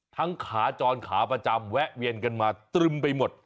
ขาจรขาประจำแวะเวียนกันมาตรึมไปหมด